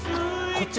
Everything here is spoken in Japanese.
こっち